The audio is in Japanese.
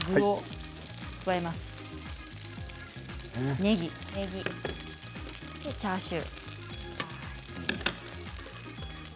ねぎ、チャーシュー。